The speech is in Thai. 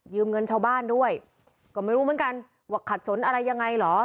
เงินชาวบ้านด้วยก็ไม่รู้เหมือนกันว่าขัดสนอะไรยังไงเหรอ